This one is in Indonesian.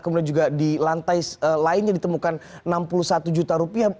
kemudian juga di lantai lainnya ditemukan enam puluh satu juta rupiah